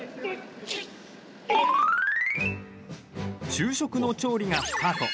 昼食の調理がスタート。